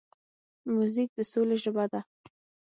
موزیک د سولې ژبه ده.